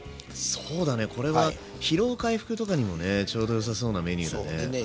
そうだねこれは疲労回復とかにもねちょうどよさそうなメニューだね。